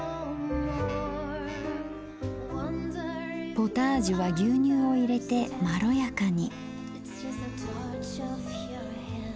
ポタージュは牛乳を入れてまろやかに。